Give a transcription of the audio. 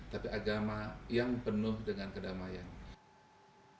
tapi agama yang penuh dengan kedamaian